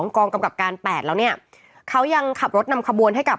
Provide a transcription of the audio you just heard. กองกำกับการ๘แล้วเนี่ยเขายังขับรถนำขบวนให้กับ